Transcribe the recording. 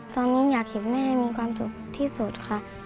ตอนนี้อยากเห็นแม่มีความสุขที่สุดค่ะ